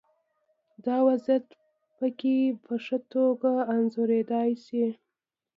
دا وضعیت پکې په ښه توګه انځورېدای شي.